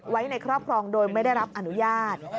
ไว้ในครอบครองโดยไม่ได้รับอนุญาต